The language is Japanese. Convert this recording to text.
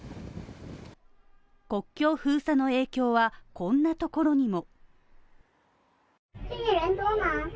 国境封鎖の影響はこんなところにも。